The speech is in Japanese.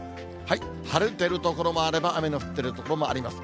晴れてる所もあれば、雨の降ってる所もあります。